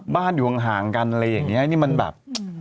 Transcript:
อยู่ห่างกันอะไรอย่างนี้นี่มันแบบ